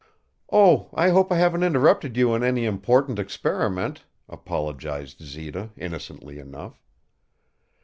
"Oh, I hope I haven't interrupted you in any important experiment," apologized Zita, innocently enough.